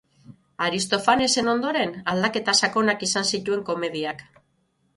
Aristofanesen ondoren, aldaketa sakonak izan zituen komediak.